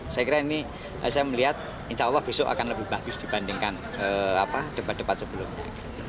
saya kira ini saya melihat insya allah besok akan lebih bagus dibandingkan debat debat sebelumnya